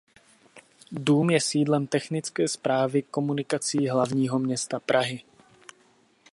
Dům je sídlem Technické správy komunikací hlavního města Prahy.